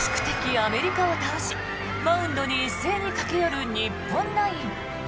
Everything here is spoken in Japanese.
アメリカを倒しマウンドに一斉に駆け寄る日本ナイン。